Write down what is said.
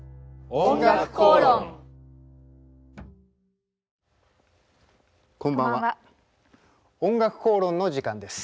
「おんがくこうろん」の時間です。